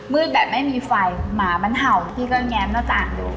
แบบไม่มีไฟหมามันเห่าพี่ก็แง้มหน้าต่างดู